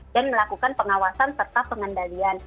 dan melakukan pengawasan serta pengendalian